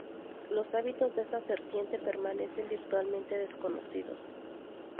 Los hábitos de esta serpiente permanecen virtualmente desconocidos.